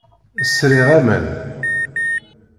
Sriɣ aman.